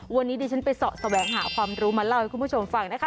วันนี้ดิฉันไปเสาะแสวงหาความรู้มาเล่าให้คุณผู้ชมฟังนะคะ